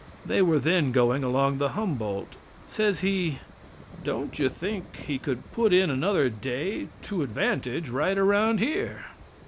They were then going along the Humboldt. Says he: "Don't you think He could put in another day to advantage right around here?"